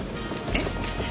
えっ？